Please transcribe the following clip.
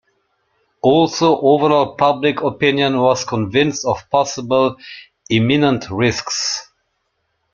Also, overall public opinion was convinced of possible imminent risks.